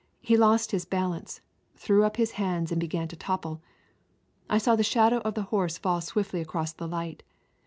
He lost his balance, threw up his hands and began to topple. I saw the shadow of the horse fall swiftly across the light.